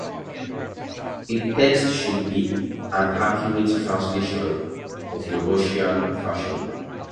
The text should be an accurate translation of the Russian version.